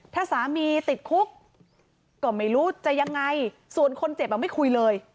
ถ้าสามีติดคุกก็ไม่รู้จะยังไงส่วนคนเจ็บไม่คุยเลย